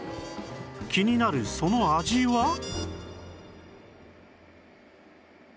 気になるその味は？